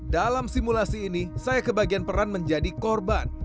dalam simulasi ini saya kebagian peran menjadi korban